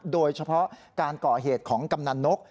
โดยเฉพาะการก่อเหตุของกำนันนก